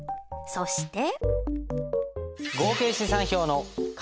そして。